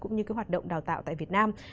cũng như cái hoạt động đào tạo tại việt nam